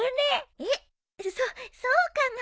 えっそそうかな。